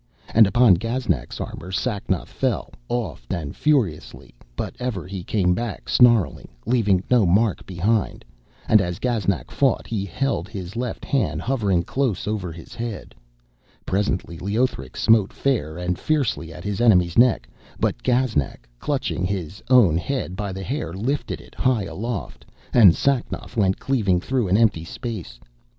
And upon Gaznak's armour Sacnoth fell oft and furiously, but ever he came back snarling, leaving no mark behind, and as Gaznak fought he held his left hand hovering close over his head. Presently Leothric smote fair and fiercely at his enemy's neck, but Gaznak, clutching his own head by the hair, lifted it high aloft, and Sacnoth went cleaving through an empty space.